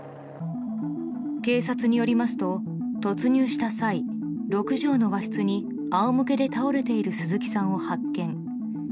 警察によりますと突入した際、６畳の和室に仰向けで倒れている鈴木さんを発見。